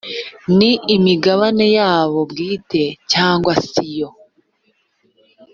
ni imigabane yabo bwite cyangwa siyo‽